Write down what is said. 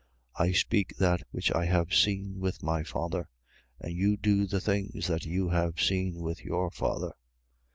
8:38. I speak that which I have seen with my Father: and you do the things that you have seen with your father.